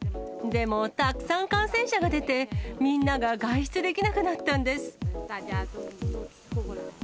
でも、たくさん感染者が出て、みんなが外出できなくなったんです。